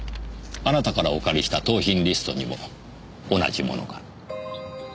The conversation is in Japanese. あなたからお借りした盗品リストにも同じものが。